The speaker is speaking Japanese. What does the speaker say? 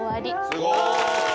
すごーい。